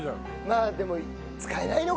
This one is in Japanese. まあでも使えないのか。